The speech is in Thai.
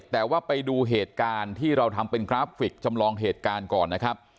แต่ว่าไปดูเหตุการณ์ที่เราทำเป็นกราฟิกจำลองเหตุการณ์ก่อนนะครับ